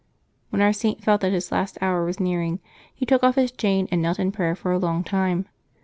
When our Saint felt that his last hour was nearing, he took off his chain and knelt in prayer for a long time.